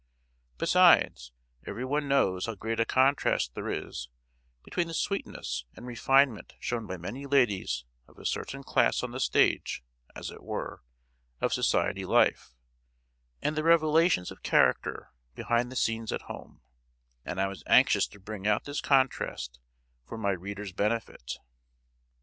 Besides, everyone knows how great a contrast there is between the sweetness and refinement shown by many ladies of a certain class on the stage, as it were, of society life, and the revelations of character behind the scenes at home; and I was anxious to bring out this contrast for my reader's benefit.